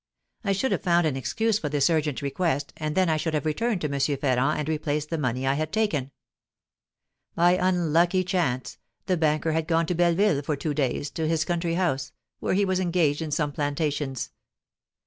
I should have found an excuse for this urgent request, and then I should have returned to M. Ferrand and replaced the money I had taken. By an unlucky chance, the banker had gone to Belleville for two days, to his country house, where he was engaged in some plantations.